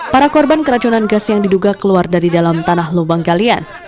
para korban keracunan gas yang diduga keluar dari dalam tanah lubang galian